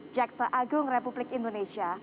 jaksa agung republik indonesia